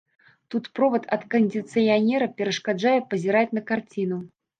Тут провад ад кандыцыянера перашкаджае пазіраць на карціну.